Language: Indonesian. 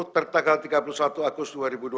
tertanggal tiga puluh satu agustus dua ribu dua puluh